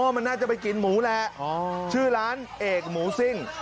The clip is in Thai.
มันน่าจะไปกินหมูแหละชื่อร้านเอกหมูซิ่ง